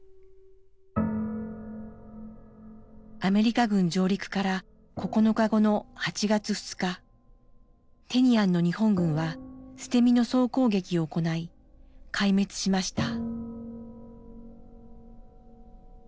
アメリカ軍上陸から９日後の８月２日テニアンの日本軍は捨て身の総攻撃を行い壊滅しました。